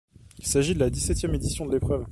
Il s'agit de la dix-septième édition de l'épreuve.